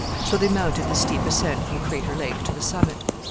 So they mounted the steep ascent from Crater Lake to the summit.